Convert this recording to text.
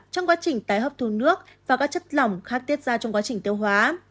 trong quá trình tái hấp thu nước và các chất lỏng khác tiết ra trong quá trình tiêu hóa